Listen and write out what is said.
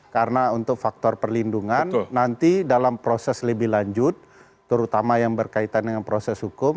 karena untuk faktor perlindungan nanti dalam proses lebih lanjut terutama yang berkaitan dengan proses hukum